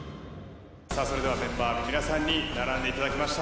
さあそれではメンバーの皆さんに並んでいただきました。